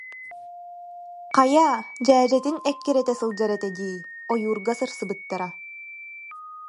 Хайа, дьээдьэтин эккирэтэ сылдьар этэ дии, ойуурга сырсыбыттара